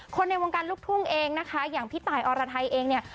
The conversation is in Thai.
ในวงการลูกทุ่งเองนะคะอย่างพี่ตายอรไทยเองเนี่ย